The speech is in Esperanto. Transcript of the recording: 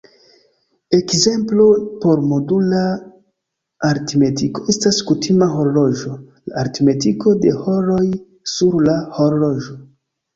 Ekzemplo por modula aritmetiko estas kutima horloĝo: la aritmetiko de horoj sur la horloĝo.